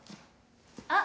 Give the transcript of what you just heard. あっ！